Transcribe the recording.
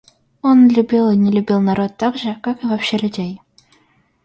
Он любил и не любил народ так же, как и вообще людей.